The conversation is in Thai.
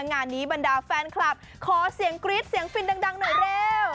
งานนี้บรรดาแฟนคลับขอเสียงกรี๊ดเสียงฟินดังหน่อยเร็ว